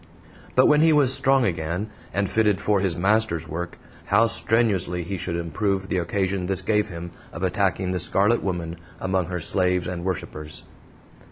But when he was strong again, and fitted for his Master's work, how strenuously he should improve the occasion this gave him of attacking the Scarlet Woman among her slaves and worshipers!